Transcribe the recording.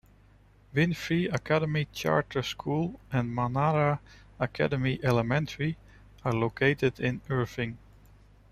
Winfree Academy Charter School and Manara Academy Elementary are located in Irving.